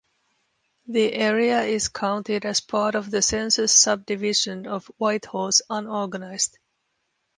The area is counted as part of the census subdivision of Whitehorse, Unorganized.